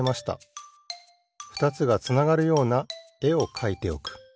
ふたつがつながるようなえをかいておく。